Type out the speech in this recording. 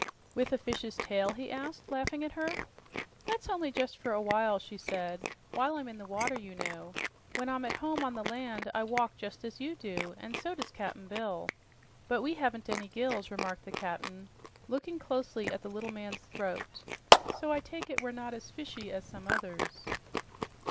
"With a fish's tail?" he asked, laughing at her. "That's only just for a while," she said, "while I'm in the water, you know. When I'm at home on the land I walk just as you do, an' so does Cap'n Bill." "But we haven't any gills," remarked the Cap'n, looking closely at the little man's throat, "so I take it we're not as fishy as some others."